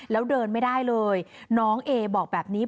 แล้วเดินไม่ได้เลยน้องเอบอกแบบนี้